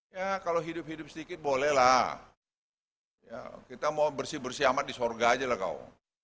ya kalau hidup hidup sedikit bolehlah kita mau bersih bersih amat di sorga aja lah kau